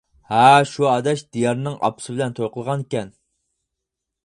-ھە شۇ ئاداش دىيارنىڭ ئاپىسى بىلەن توي قىلغانكەن!